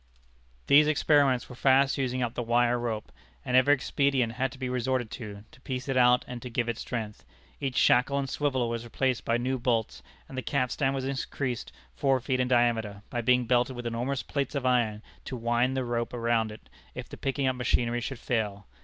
These experiments were fast using up the wire rope, and every expedient had to be resorted to, to piece it out and to give it strength. Each shackle and swivel was replaced by new bolts, and the capstan was increased four feet in diameter, by being belted with enormous plates of iron, to wind the rope around it, if the picking up machinery should fail.